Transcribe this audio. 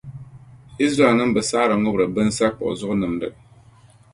Izraɛlnim’ bi saɣiri ŋubiri binsakpuɣu zuɣu nimdi.